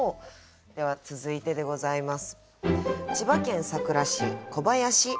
では続いてでございます。